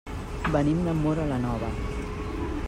Venim de Móra la Nova.